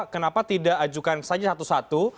kenapa tidak ajukan saja satu satu